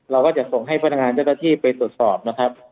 เราก็จะส่งให้พนักงานเจ้าหน้าที่ไปตรวจสอบนะครับ